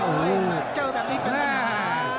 โอ้ยเจ้าแบบนี้เป็นปัญหา